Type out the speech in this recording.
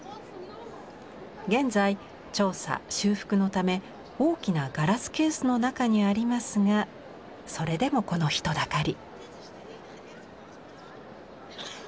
現在調査修復のため大きなガラスケースの中にありますがそれでもこの人だかり。